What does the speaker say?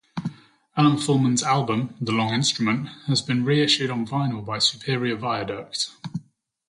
Ellen Fullman's album "The Long Instrument" has been reissued on vinyl by Superior Viaduct.